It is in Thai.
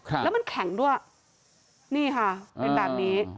แล้วมันแข็งด้วยนี่ค่ะเป็นแบบนี้